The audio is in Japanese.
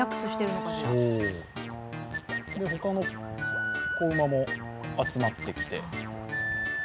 他の子馬も集まってきて。